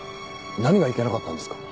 何がいけなかったんですか？